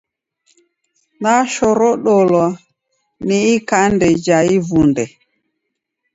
Nashurudulwa ni ikanda ja ivunde.